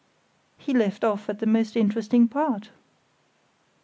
"He left off at the most interesting part."